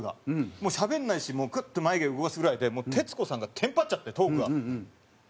もうしゃべらないしクッて眉毛動かすぐらいで徹子さんがテンパっちゃってトークが成り立たなくて。